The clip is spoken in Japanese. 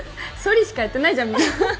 そりしかやってないじゃん。